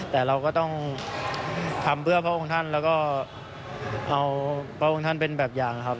แต่เราก็ต้องทำเพื่อพระองค์ท่านแล้วก็เอาพระองค์ท่านเป็นแบบอย่างครับ